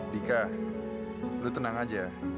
dika lu tenang aja